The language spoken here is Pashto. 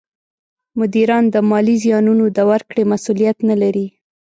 مدیران د مالي زیانونو د ورکړې مسولیت نه لري.